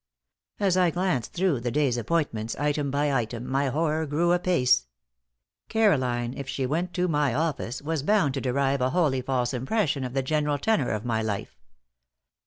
As I glanced through the day's appointments, item by item, my horror grew apace. Caroline, if she went to my office, was bound to derive a wholly false impression of the general tenor of my life.